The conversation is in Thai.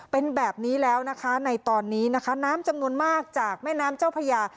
เป็นแบบนี้แล้วนะคะในตอนนี้นะคะน้ำจำนวนมากจากแม่น้ำเจ้าพญา